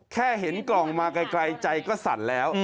แค่เห็นกล่องมาไกลใจก็สั่นแล้ว